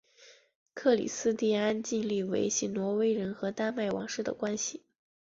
克里斯蒂安尽力维系挪威人和丹麦王室的关系。